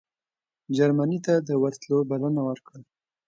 جرمني ته د ورتلو بلنه ورکړه.